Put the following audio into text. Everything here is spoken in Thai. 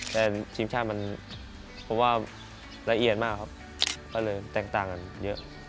แต่ทีมชาติมันเพราะว่าละเอียดมากครับเพราะเลยแต่งต่างกันเยอะ